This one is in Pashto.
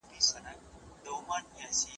باید د خوب خونه مو تل تیاره او ارامه وي.